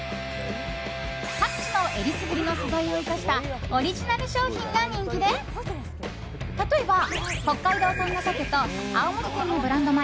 各地の選りすぐりの素材を生かしたオリジナル商品が人気で例えば、北海道産のサケと青森県のブランド米